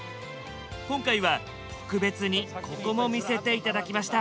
今回は特別にここも見せて頂きました。